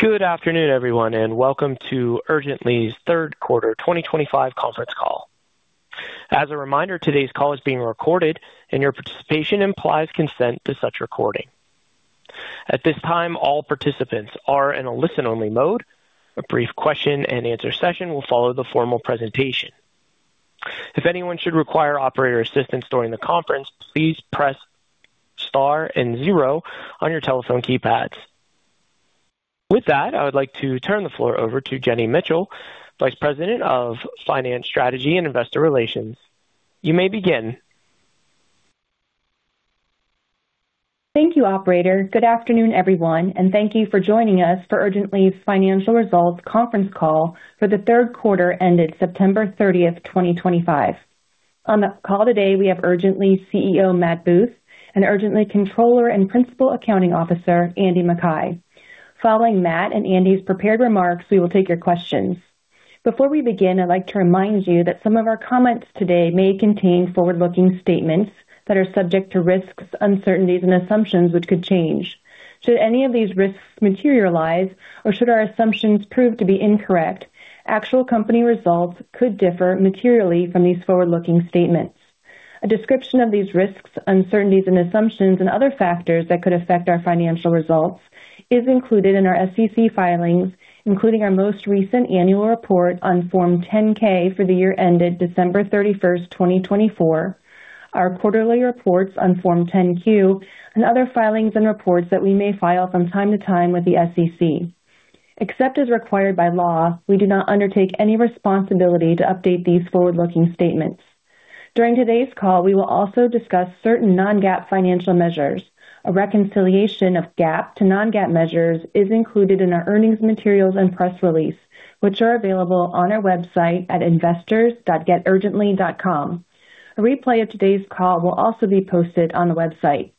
Good afternoon, everyone, and welcome to Urgent.ly's third quarter 2025 conference call. As a reminder, today's call is being recorded, and your participation implies consent to such recording. At this time, all participants are in a listen-only mode. A brief question-and-answer session will follow the formal presentation. If anyone should require operator assistance during the conference, please press star and zero on your telephone keypads. With that, I would like to turn the floor over to Jenny Mitchell, Vice President of Finance Strategy and Investor Relations. You may begin. Thank you, Operator. Good afternoon, everyone, and thank you for joining us for Urgent.ly's financial results conference call for the third quarter ended September 30, 2025. On the call today, we have Urgent.ly CEO Matt Booth and Urgent.ly Controller and Principal Accounting Officer Andy Makkai. Following Matt and Andy's prepared remarks, we will take your questions. Before we begin, I'd like to remind you that some of our comments today may contain forward-looking statements that are subject to risks, uncertainties, and assumptions which could change. Should any of these risks materialize, or should our assumptions prove to be incorrect, actual company results could differ materially from these forward-looking statements. A description of these risks, uncertainties, and assumptions, and other factors that could affect our financial results is included in our SEC filings, including our most recent annual report on Form 10-K for the year ended December 31, 2024, our quarterly reports on Form 10-Q, and other filings and reports that we may file from time to time with the SEC. Except as required by law, we do not undertake any responsibility to update these forward-looking statements. During today's call, we will also discuss certain non-GAAP financial measures. A reconciliation of GAAP to non-GAAP measures is included in our earnings materials and press release, which are available on our website at investors.geturgently.com. A replay of today's call will also be posted on the website.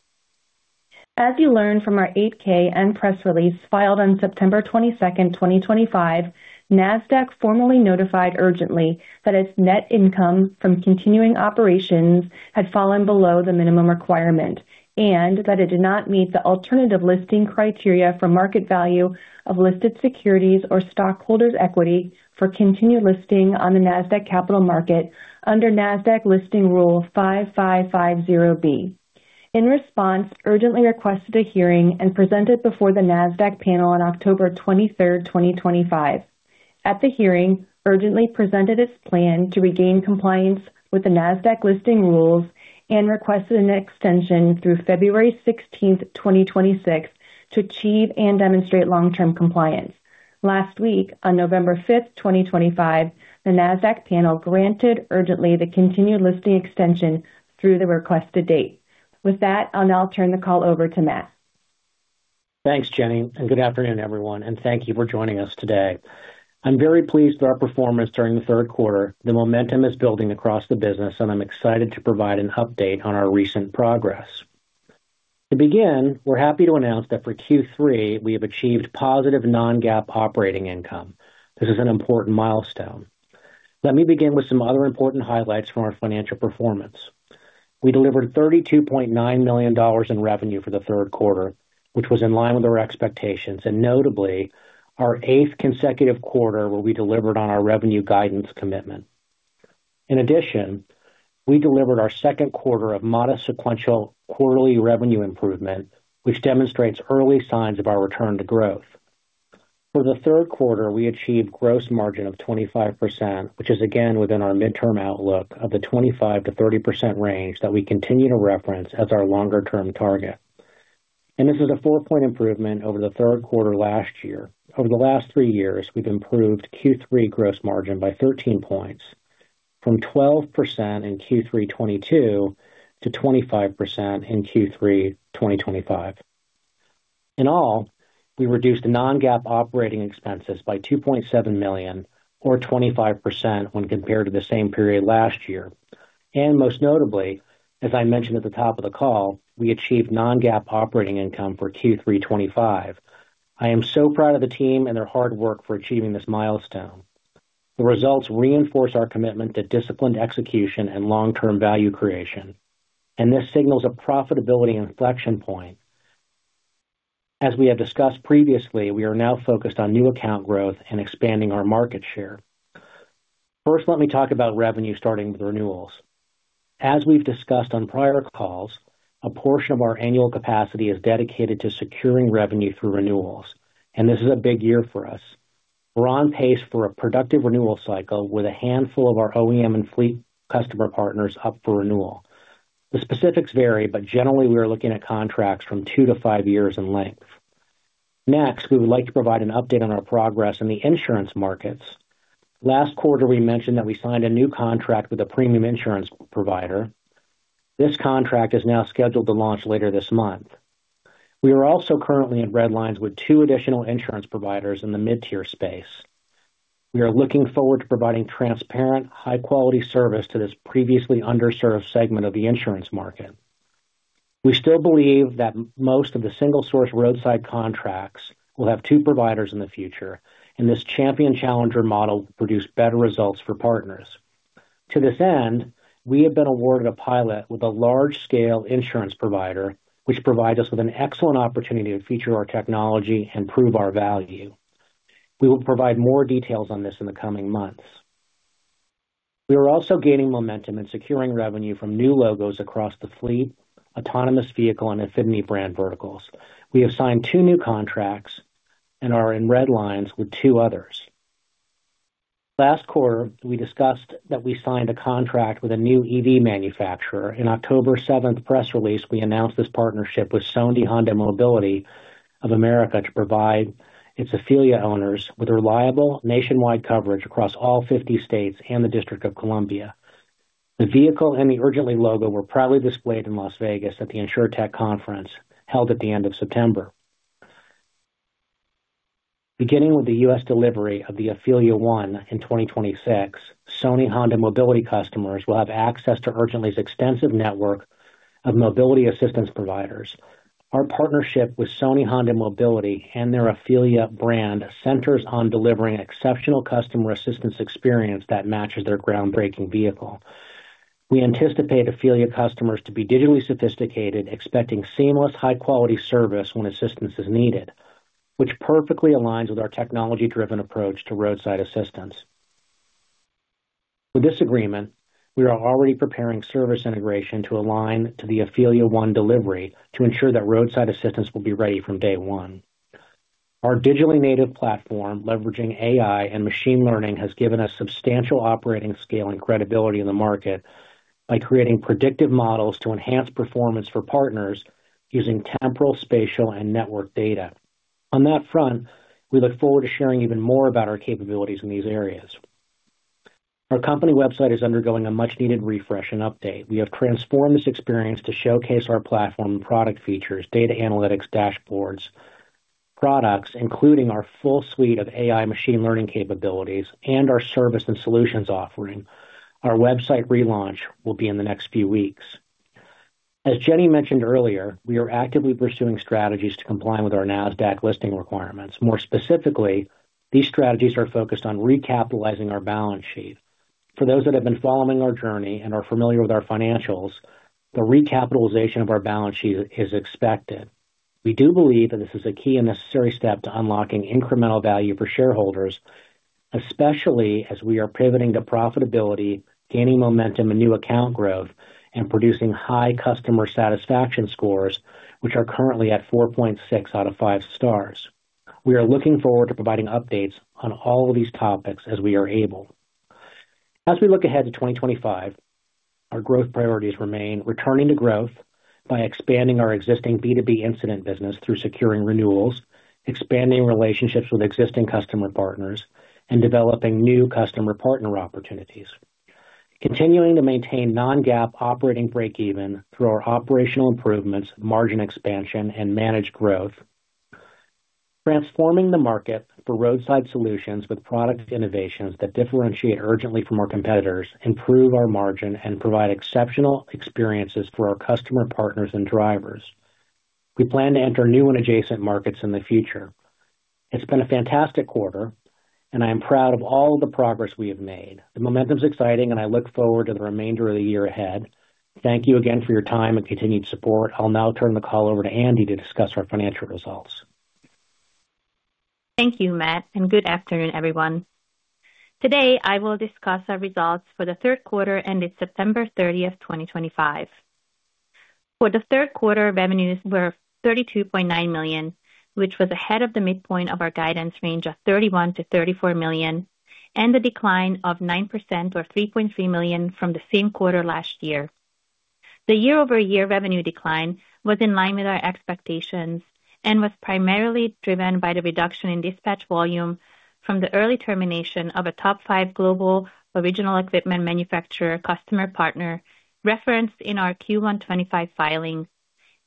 As you learned from our 8-K and press release filed on September 22, 2025, NASDAQ formally notified Urgent.ly that its net income from continuing operations had fallen below the minimum requirement and that it did not meet the alternative listing criteria for market value of listed securities or stockholders' equity for continued listing on the NASDAQ Capital Market under NASDAQ Listing Rule 5550-B. In response, Urgent.ly requested a hearing and presented before the NASDAQ panel on October 23, 2025. At the hearing, Urgent.ly presented its plan to regain compliance with the NASDAQ Listing Rules and requested an extension through February 16, 2026, to achieve and demonstrate long-term compliance. Last week, on November 5, 2025, the NASDAQ panel granted Urgent.ly the continued listing extension through the requested date. With that, I'll now turn the call over to Matt. Thanks, Jenny, and good afternoon, everyone, and thank you for joining us today. I'm very pleased with our performance during the third quarter. The momentum is building across the business, and I'm excited to provide an update on our recent progress. To begin, we're happy to announce that for Q3, we have achieved positive non-GAAP operating income. This is an important milestone. Let me begin with some other important highlights from our financial performance. We delivered $32.9 million in revenue for the third quarter, which was in line with our expectations, and notably, our eighth consecutive quarter where we delivered on our revenue guidance commitment. In addition, we delivered our second quarter of modest sequential quarterly revenue improvement, which demonstrates early signs of our return to growth. For the third quarter, we achieved gross margin of 25%, which is again within our midterm outlook of the 25%-30% range that we continue to reference as our longer-term target. This is a four-point improvement over the third quarter last year. Over the last three years, we have improved Q3 gross margin by 13 points, from 12% in Q3 2022 to 25% in Q3 2025. In all, we reduced non-GAAP operating expenses by $2.7 million, or 25% when compared to the same period last year. Most notably, as I mentioned at the top of the call, we achieved non-GAAP operating income for Q3 2025. I am so proud of the team and their hard work for achieving this milestone. The results reinforce our commitment to disciplined execution and long-term value creation, and this signals a profitability inflection point. As we have discussed previously, we are now focused on new account growth and expanding our market share. First, let me talk about revenue starting with renewals. As we've discussed on prior calls, a portion of our annual capacity is dedicated to securing revenue through renewals, and this is a big year for us. We're on pace for a productive renewal cycle with a handful of our OEM and fleet customer partners up for renewal. The specifics vary, but generally, we are looking at contracts from two to five years in length. Next, we would like to provide an update on our progress in the insurance markets. Last quarter, we mentioned that we signed a new contract with a premium insurance provider. This contract is now scheduled to launch later this month. We are also currently in red lines with two additional insurance providers in the mid-tier space. We are looking forward to providing transparent, high-quality service to this previously underserved segment of the insurance market. We still believe that most of the single-source roadside contracts will have two providers in the future, and this Champion-Challenger model will produce better results for partners. To this end, we have been awarded a pilot with a large-scale insurance provider, which provides us with an excellent opportunity to feature our technology and prove our value. We will provide more details on this in the coming months. We are also gaining momentum in securing revenue from new logos across the fleet, autonomous vehicle, and affinity brand verticals. We have signed two new contracts and are in red lines with two others. Last quarter, we discussed that we signed a contract with a new EV manufacturer. In the October 7th press release, we announced this partnership with Sony Honda Mobility of America to provide its Afeela owners with reliable nationwide coverage across all 50 states and the District of Columbia. The vehicle and the Urgent.ly logo were proudly displayed in Las Vegas at the InsureTech Conference held at the end of September. Beginning with the U.S. delivery of the Afeela One in 2026, Sony Honda Mobility customers will have access to Urgent.ly's extensive network of mobility assistance providers. Our partnership with Sony Honda Mobility and their Afeela brand centers on delivering exceptional customer assistance experience that matches their groundbreaking vehicle. We anticipate Afeela customers to be digitally sophisticated, expecting seamless, high-quality service when assistance is needed, which perfectly aligns with our technology-driven approach to roadside assistance. With this agreement, we are already preparing service integration to align to the Afeela One delivery to ensure that roadside assistance will be ready from day one. Our digitally native platform, leveraging AI and machine learning, has given us substantial operating scale and credibility in the market by creating predictive models to enhance performance for partners using temporal, spatial, and network data. On that front, we look forward to sharing even more about our capabilities in these areas. Our company website is undergoing a much-needed refresh and update. We have transformed this experience to showcase our platform and product features, data analytics dashboards, products, including our full suite of AI machine learning capabilities, and our service and solutions offering. Our website relaunch will be in the next few weeks. As Jenny mentioned earlier, we are actively pursuing strategies to comply with our NASDAQ listing requirements. More specifically, these strategies are focused on recapitalizing our balance sheet. For those that have been following our journey and are familiar with our financials, the recapitalization of our balance sheet is expected. We do believe that this is a key and necessary step to unlocking incremental value for shareholders, especially as we are pivoting to profitability, gaining momentum in new account growth, and producing high customer satisfaction scores, which are currently at 4.6 out of 5 stars. We are looking forward to providing updates on all of these topics as we are able. As we look ahead to 2025, our growth priorities remain returning to growth by expanding our existing B2B incident business through securing renewals, expanding relationships with existing customer partners, and developing new customer partner opportunities, continuing to maintain non-GAAP operating break-even through our operational improvements, margin expansion, and managed growth, transforming the market for roadside solutions with product innovations that differentiate Urgent.ly from our competitors, improve our margin, and provide exceptional experiences for our customer partners and drivers. We plan to enter new and adjacent markets in the future. It's been a fantastic quarter, and I am proud of all the progress we have made. The momentum is exciting, and I look forward to the remainder of the year ahead. Thank you again for your time and continued support. I'll now turn the call over to Andy to discuss our financial results. Thank you, Matt, and good afternoon, everyone. Today, I will discuss our results for the third quarter ended September 30, 2025. For the third quarter, revenues were $32.9 million, which was ahead of the midpoint of our guidance range of $31-$34 million and a decline of 9% or $3.3 million from the same quarter last year. The year-over-year revenue decline was in line with our expectations and was primarily driven by the reduction in dispatch volume from the early termination of a top five global original equipment manufacturer customer partner referenced in our Q1 2025 filing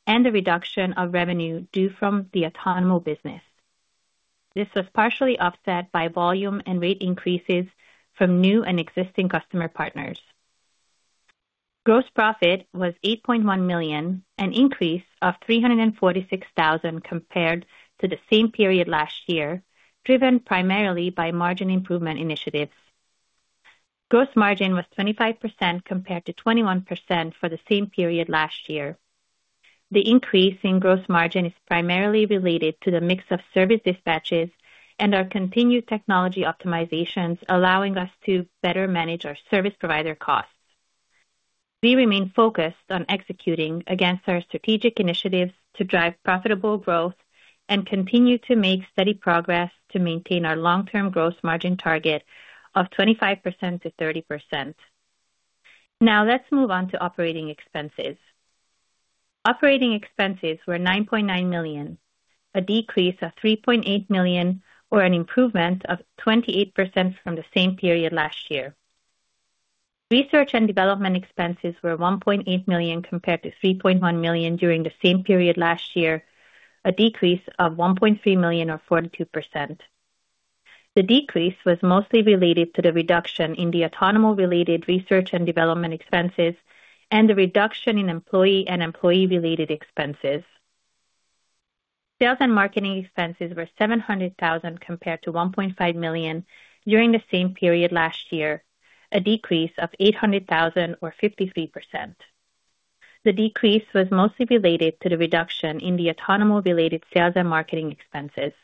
and the reduction of revenue due from the autonomous business. This was partially offset by volume and rate increases from new and existing customer partners. Gross profit was $8.1 million, an increase of $346,000 compared to the same period last year, driven primarily by margin improvement initiatives. Gross margin was 25% compared to 21% for the same period last year. The increase in gross margin is primarily related to the mix of service dispatches and our continued technology optimizations, allowing us to better manage our service provider costs. We remain focused on executing against our strategic initiatives to drive profitable growth and continue to make steady progress to maintain our long-term gross margin target of 25%-30%. Now, let's move on to operating expenses. Operating expenses were $9.9 million, a decrease of $3.8 million or an improvement of 28% from the same period last year. Research and development expenses were $1.8 million compared to $3.1 million during the same period last year, a decrease of $1.3 million or 42%. The decrease was mostly related to the reduction in the autonomous-related research and development expenses and the reduction in employee and employee-related expenses. Sales and marketing expenses were $700,000 compared to $1.5 million during the same period last year, a decrease of $800,000 or 53%. The decrease was mostly related to the reduction in the autonomous-related sales and marketing expenses.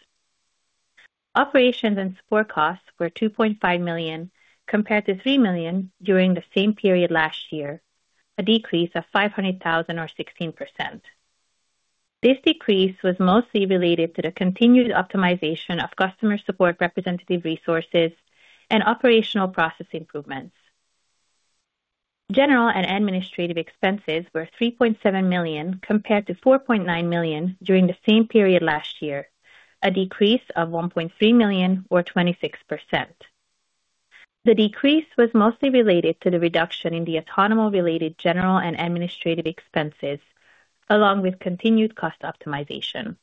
Operations and support costs were $2.5 million compared to $3 million during the same period last year, a decrease of $500,000 or 16%. This decrease was mostly related to the continued optimization of customer support representative resources and operational process improvements. General and administrative expenses were $3.7 million compared to $4.9 million during the same period last year, a decrease of $1.3 million or 26%. The decrease was mostly related to the reduction in the autonomous-related general and administrative expenses, along with continued cost optimization.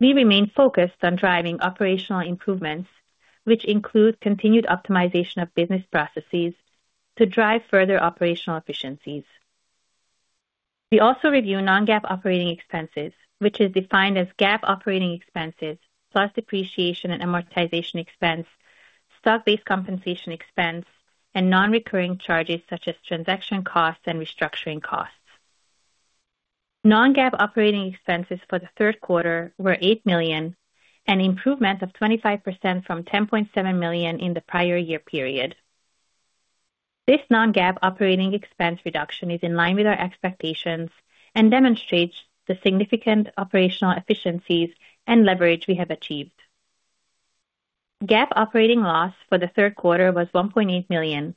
We remain focused on driving operational improvements, which include continued optimization of business processes to drive further operational efficiencies. We also review non-GAAP operating expenses, which is defined as GAAP operating expenses plus depreciation and amortization expense, stock-based compensation expense, and non-recurring charges such as transaction costs and restructuring costs. Non-GAAP operating expenses for the third quarter were $8 million, an improvement of 25% from $10.7 million in the prior year period. This non-GAAP operating expense reduction is in line with our expectations and demonstrates the significant operational efficiencies and leverage we have achieved. GAAP operating loss for the third quarter was $1.8 million,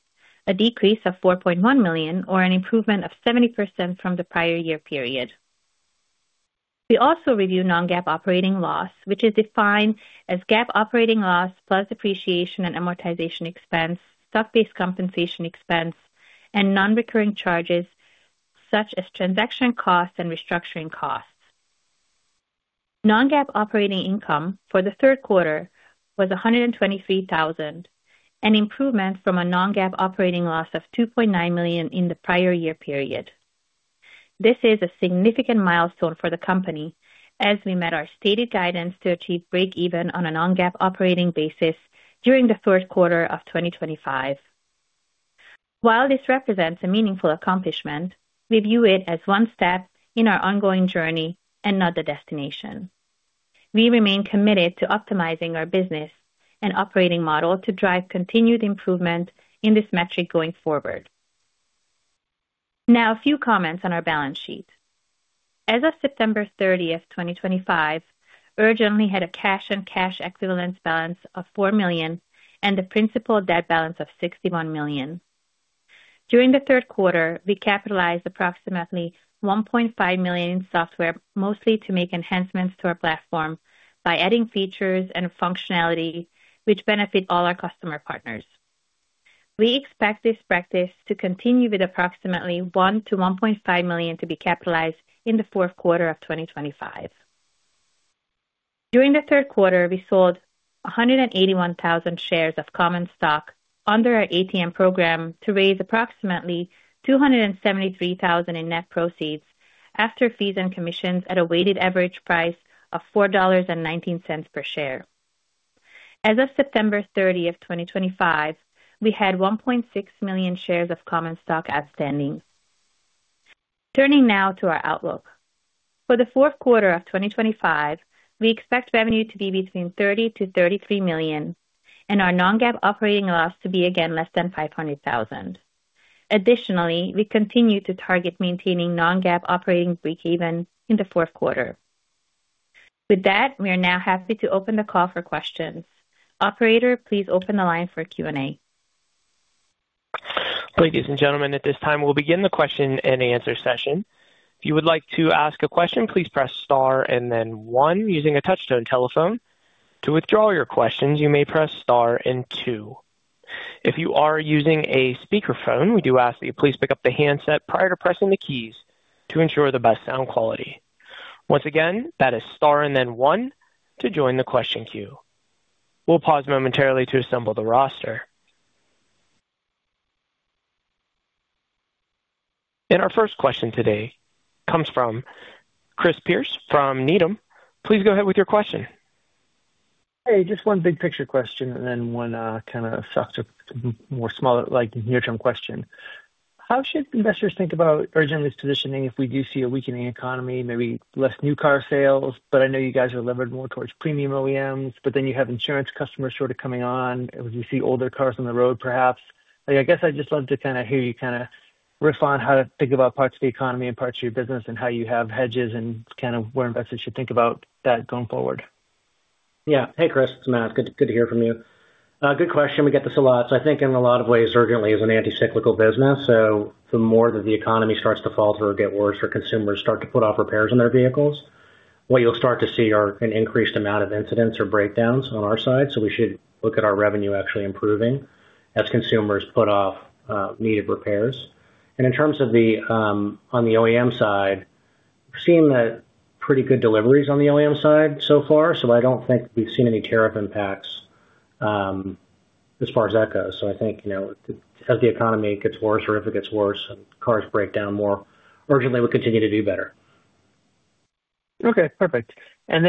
a decrease of $4.1 million or an improvement of 70% from the prior year period. We also review non-GAAP operating loss, which is defined as GAAP operating loss plus depreciation and amortization expense, stock-based compensation expense, and non-recurring charges such as transaction costs and restructuring costs. Non-GAAP operating income for the third quarter was $123,000, an improvement from a non-GAAP operating loss of $2.9 million in the prior year period. This is a significant milestone for the company as we met our stated guidance to achieve break-even on a non-GAAP operating basis during the third quarter of 2025. While this represents a meaningful accomplishment, we view it as one step in our ongoing journey and not the destination. We remain committed to optimizing our business and operating model to drive continued improvement in this metric going forward. Now, a few comments on our balance sheet. As of September 30, 2025, Urgent.ly had a cash and cash equivalents balance of $4 million and a principal debt balance of $61 million. During the third quarter, we capitalized approximately $1.5 million in software, mostly to make enhancements to our platform by adding features and functionality which benefit all our customer partners. We expect this practice to continue with approximately $1-$1.5 million to be capitalized in the fourth quarter of 2025. During the third quarter, we sold 181,000 shares of common stock under our ATM program to raise approximately $273,000 in net proceeds after fees and commissions at a weighted average price of $4.19 per share. As of September 30, 2025, we had 1.6 million shares of common stock outstanding. Turning now to our outlook. For the fourth quarter of 2025, we expect revenue to be between $30-$33 million and our non-GAAP operating loss to be again less than $500,000. Additionally, we continue to target maintaining non-GAAP operating break-even in the fourth quarter. With that, we are now happy to open the call for questions. Operator, please open the line for Q&A. Ladies and gentlemen, at this time, we'll begin the question and answer session. If you would like to ask a question, please press star and then one using a touch-tone telephone. To withdraw your questions, you may press star and two. If you are using a speakerphone, we do ask that you please pick up the handset prior to pressing the keys to ensure the best sound quality. Once again, that is star and then one to join the question queue. We'll pause momentarily to assemble the roster. Our first question today comes from Chris Pierce from Needham. Please go ahead with your question. Hey, just one big picture question and then one kind of more smaller, like near-term question. How should investors think about Urgent.ly's positioning if we do see a weakening economy, maybe less new car sales? I know you guys are levered more towards premium OEMs, but then you have insurance customers sort of coming on. We see older cars on the road, perhaps. I guess I'd just love to kind of hear you kind of refine how to think about parts of the economy and parts of your business and how you have hedges and kind of where investors should think about that going forward. Yeah. Hey, Chris. It's Matt. Good to hear from you. Good question. We get this a lot. I think in a lot of ways, Urgent.ly is an anti-cyclical business. The more that the economy starts to falter or get worse or consumers start to put off repairs on their vehicles, what you'll start to see are an increased amount of incidents or breakdowns on our side. We should look at our revenue actually improving as consumers put off needed repairs. In terms of the on the OEM side, we're seeing pretty good deliveries on the OEM side so far. I don't think we've seen any tariff impacts as far as that goes. I think as the economy gets worse or if it gets worse and cars break down more, Urgent.ly will continue to do better. Okay. Perfect. I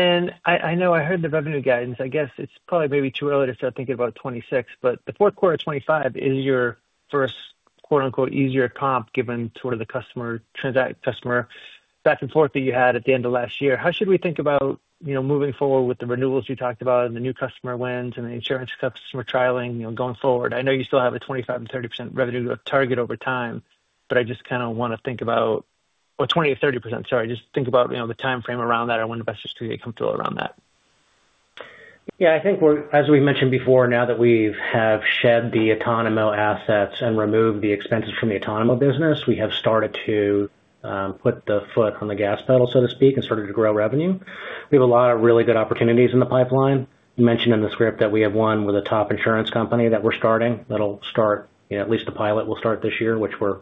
know I heard the revenue guidance. I guess it's probably maybe too early to start thinking about 2026, but the fourth quarter of 2025 is your first "easier comp" given sort of the customer back and forth that you had at the end of last year. How should we think about moving forward with the renewals you talked about and the new customer wins and the insurance customer trialing going forward? I know you still have a 25%-30% revenue target over time, but I just kind of want to think about, or 20% or 30%, sorry. Just think about the time frame around that. I want investors to get comfortable around that. Yeah. I think as we've mentioned before, now that we have shed the autonomous assets and removed the expenses from the autonomous business, we have started to put the foot on the gas pedal, so to speak, and started to grow revenue. We have a lot of really good opportunities in the pipeline. You mentioned in the script that we have one with a top insurance company that we're starting. That'll start at least the pilot will start this year, which we're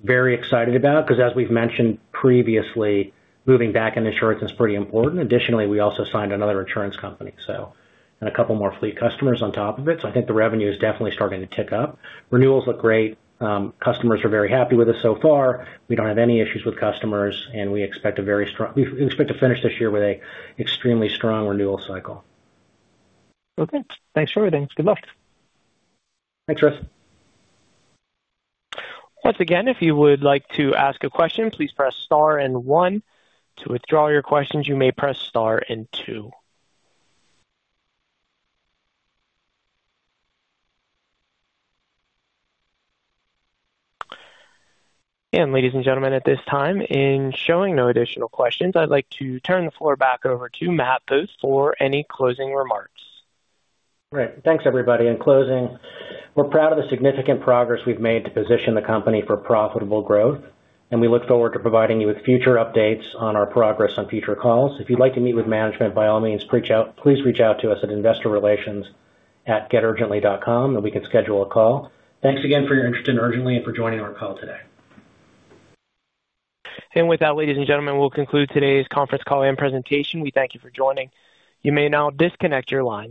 very excited about because, as we've mentioned previously, moving back into insurance is pretty important. Additionally, we also signed another insurance company, and a couple more fleet customers on top of it. I think the revenue is definitely starting to tick up. Renewals look great. Customers are very happy with us so far. We don't have any issues with customers, and we expect a very strong, we expect to finish this year with an extremely strong renewal cycle. Okay. Thanks for everything. Good luck. Thanks, Chris. Once again, if you would like to ask a question, please press star and one. To withdraw your questions, you may press star and two. Ladies and gentlemen, at this time, in showing no additional questions, I'd like to turn the floor back over to Matt Booth for any closing remarks. Great. Thanks, everybody. In closing, we're proud of the significant progress we've made to position the company for profitable growth, and we look forward to providing you with future updates on our progress on future calls. If you'd like to meet with management, by all means, please reach out to us at investorrelations@geturgently.com, and we can schedule a call. Thanks again for your interest in Urgent.ly and for joining our call today. With that, ladies and gentlemen, we'll conclude today's conference call and presentation. We thank you for joining. You may now disconnect your lines.